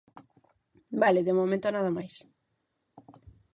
Vale, de momento nada máis.